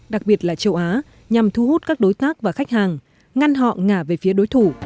đặc biệt là châu á nhằm thu hút các đối tác và khách hàng ngăn họ ngả về phía đối thủ